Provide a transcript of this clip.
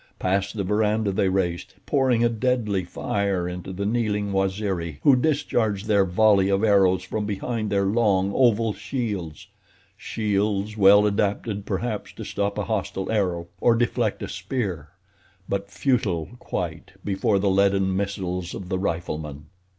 Past the veranda they raced, pouring a deadly fire into the kneeling Waziri who discharged their volley of arrows from behind their long, oval shields—shields well adapted, perhaps, to stop a hostile arrow, or deflect a spear; but futile, quite, before the leaden missiles of the riflemen.